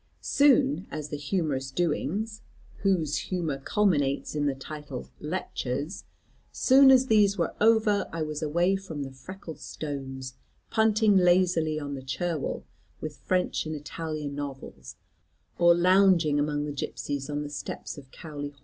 Soon as the humorous doings, whose humour culminates in the title 'lectures,' soon as these were over, I was away from the freckled stones, punting lazily on the Cherwell, with French and Italian novels; or lounging among the gipseys on the steppes of Cowley.